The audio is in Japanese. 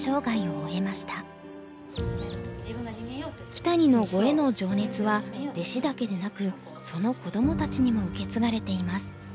木谷の碁への情熱は弟子だけでなくその子どもたちにも受け継がれています。